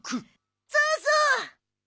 そうそう！